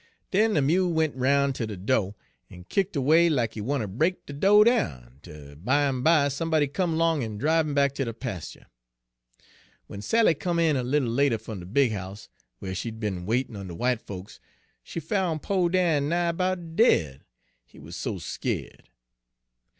Den de mule went roun' ter de do', en kick' erway lack he wanter break de do' down, 'tel bimeby somebody come 'long en driv him back ter de pastur'. W'en Sally come in a little later fum de big house, whar she'd be'n waitin' on de w'ite folks, she foun' po' Dan nigh 'bout dead, he wuz so skeered.